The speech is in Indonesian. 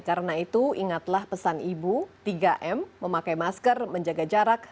karena itu ingatlah pesan ibu tiga m memakai masker menjaga jarak